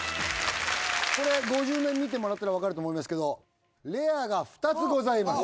これ５０面見てもらったら分かると思いますけどレアが２つございます